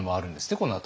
このあとに。